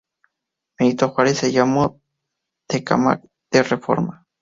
Benito Juárez, se llamó Tecámac de Reforma.